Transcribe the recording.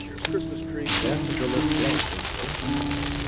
Wêrom is de loft blau tinksto?